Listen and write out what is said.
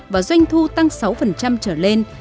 và doanh thu tăng sáu trở lên